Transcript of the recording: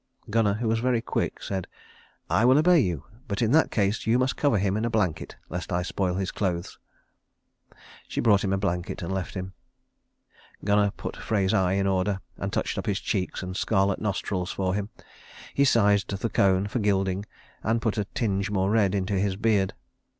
Gunnar, who was very quick, said, "I will obey you; but in that case you must cover him in a blanket, lest I spoil his clothes." She brought him a blanket, and left him. Gunnar put Frey's eye in order, and touched up his cheeks and scarlet nostrils for him. He sized the cone for gilding, and put a tinge more red into his beard.